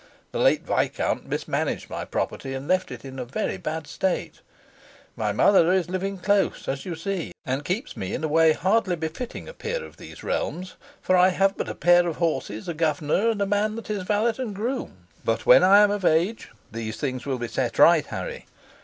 The late viscount mismanaged my property, and left it in a very bad state. My mother is living close, as you see, and keeps me in a way hardly befitting a peer of these realms; for I have but a pair of horses, a governor, and a man that is valet and groom. But when I am of age, these things will be set right, Harry.